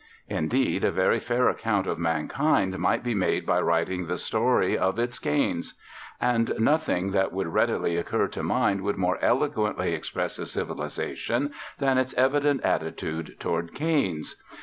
Indeed, a very fair account of mankind might be made by writing the story, of its canes. And nothing that would readily occur to mind would more eloquently express a civilisation than its evident attitude toward canes.